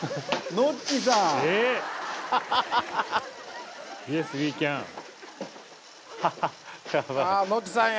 ノッチさんや。